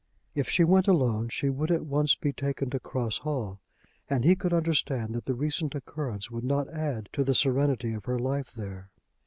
If she went alone she would at once be taken to Cross Hall; and he could understand that the recent occurrence would not add to the serenity of her life there.